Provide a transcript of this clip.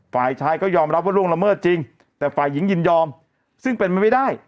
ฝ่ายชายก็ยอมรับว่าล่วงละเมิดจริงแต่ฝ่ายหญิงยินยอมซึ่งเป็นมันไม่ได้